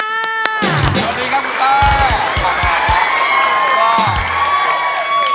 สวัสดีครับคุณป้า